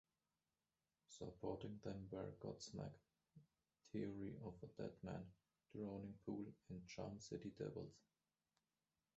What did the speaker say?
Supporting them were Godsmack, Theory of a Deadman, Drowning Pool, and Charm City Devils.